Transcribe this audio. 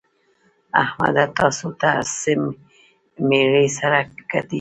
احمده! تاسو څه ميرۍ سره ګټئ؟!